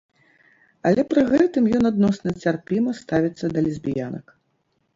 Але пры гэтым ён адносна цярпіма ставіцца да лесбіянак.